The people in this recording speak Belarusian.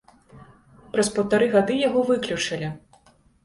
Праз паўтары гады яго выключылі.